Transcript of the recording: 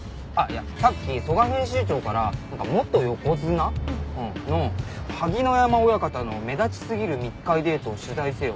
さっき曽我編集長から「元横綱の萩ノ山親方の目立ちすぎる密会デートを取材せよ」。